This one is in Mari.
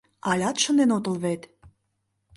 Алят шынден отыл вет?